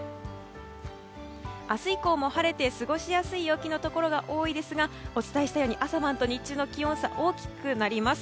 明日以降も晴れて過ごしやすい陽気のところが多いですが、お伝えしたように朝晩と日中の気温差が大きくなります。